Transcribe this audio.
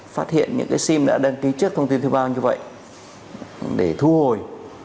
phát hiện những cái sim đã đăng ký trước thông tin thuê bao như vậy để thu hồi